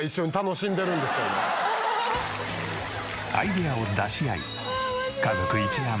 アイデアを出し合い家族一丸